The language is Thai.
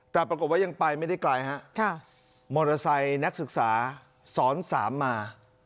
แต่ปรากฏว่ายังไปไม่ได้ไกลฮะมอเตอร์ไซค์นักศึกษาซ้อนสามมา